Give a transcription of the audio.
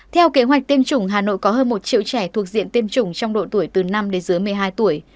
theo kế hoạch tiêm chủng hà nội có hơn một triệu trẻ thuộc diện tiêm chủng trong độ tuổi từ năm đến dưới một mươi hai tuổi